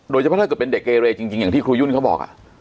ถ้าเกิดเป็นเด็กเกเรจริงอย่างที่ครูยุ่นเขาบอก